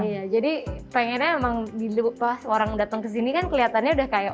iya jadi pengennya emang pas orang datang kesini kan keliatannya udah kayak